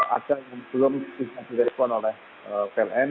ada yang belum bisa direspon oleh pln